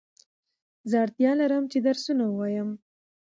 زه اړتیا لرم چي درسونه ووایم